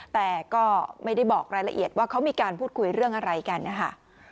แต่ก็ไม่ได้บอกรายละเอียดว่าเขามีการพูดคุยเรื่องอะไรกันนะคะ